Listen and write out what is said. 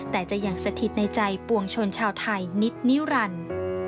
แต่จะยังสถิตในใจปวงชนชาวไทยนิดนิรันดิ์